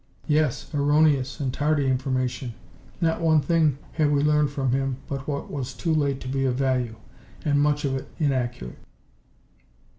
"Yes, erroneous and tardy information. Not one thing have we learned from him but what was too late to be of value. And much of it inaccurate."